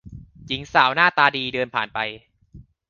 หญิงสาวหน้าตาดีเดินผ่านไป